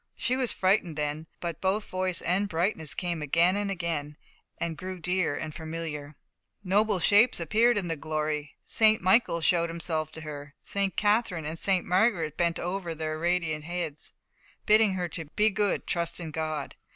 She was frightened then, but both voice and brightness came again and again, and grew dear and familiar. Noble shapes appeared in the glory. St. Michael showed himself to her; St. Catherine and St. Margaret bent over her their radiant heads, bidding her "be good; trust in God."